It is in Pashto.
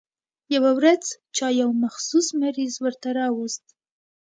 يوه ورځ چا يو مخصوص مریض ورته راوست.